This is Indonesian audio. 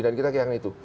dan kita kelihatan itu